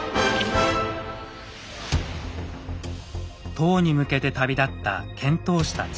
唐に向けて旅立った遣唐使たち。